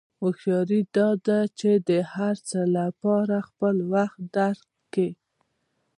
هوښیاري دا ده چې د هر څه لپاره خپل وخت درک کړې.